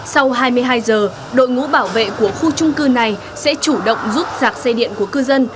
sau hai mươi hai giờ đội ngũ bảo vệ của khu trung cư này sẽ chủ động giúp giạc xe điện của cư dân